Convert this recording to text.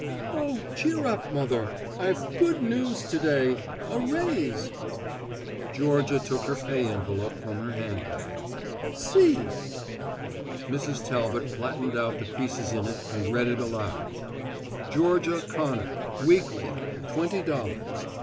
"Oh, cheer up, mother. I've good news to day a raise." Georgia took her pay envelope from her handbag. "See!" Mrs. Talbot flattened out the creases in it and read it aloud. "Georgia Connor weekly twenty dollars."